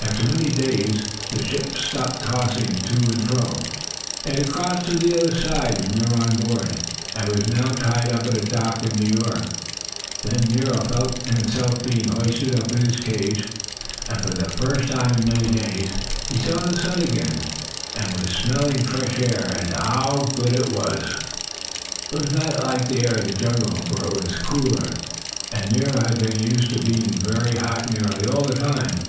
After many days the ship stopped tossing to and fro. It had crossed to the other side, with Nero on board, and was now tied up at a dock in New York. Then Nero felt himself being hoisted up in his cage, and, for the first time in many days, he saw the sun again and smelled fresh air. And, oh, how good it was! It was not like the air of the jungle, for it was cooler, and Nero had been used to being very hot nearly all the time.